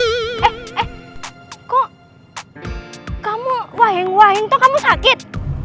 eh eh kok kamu waheng waheng toh kamu sakit